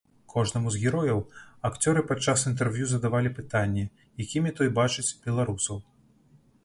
Кожнаму з герояў акцёры падчас інтэрв'ю задавалі пытанне, якімі той бачыць беларусаў.